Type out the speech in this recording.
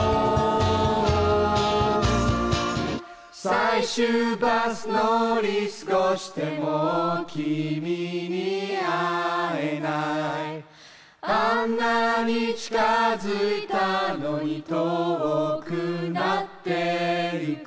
「最終バス乗り過ごして」「もう君に会えない」「あんなに近づいたのに遠くなってゆく」